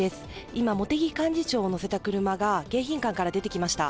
今、茂木幹事長を乗せた車が迎賓館から出てきました。